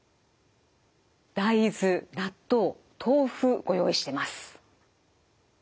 大豆納豆豆腐ご用意してます。